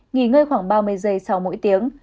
nghỉ ngơi khoảng ba mươi giây sau mỗi tiếng